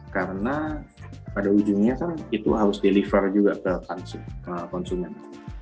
karena pada ujungnya kan itu harus deliver juga ke konsumen